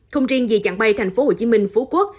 không riêng vì chặng bay thành phố hồ chí minh phú quốc